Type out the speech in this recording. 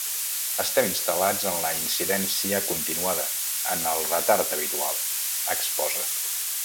“Estem instal·lats en la incidència continuada, en el retard habitual”, exposa.